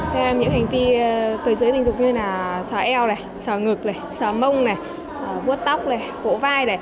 theo em những hành vi tối dưới tình dục như là xóa eo xóa ngực xóa mông vuốt tóc vỗ vai